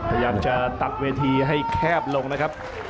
พยายามจะตัดเวทีให้แคบลงนะครับ